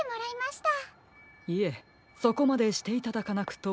いえそこまでしていただかなくとも。